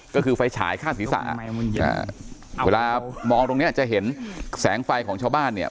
ก็คือไฟฉายข้างศีรษะเวลามองตรงเนี้ยจะเห็นแสงไฟของชาวบ้านเนี่ย